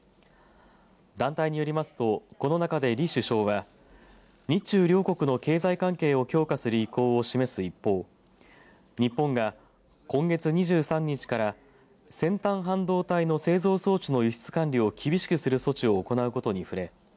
団体によりますとこの中で李首相は日中両国の経済関係を強化する意向を示す一方日本が、今月２３日から先端半導体の製造装置の輸出管理を厳しくする措置を行うことに触れ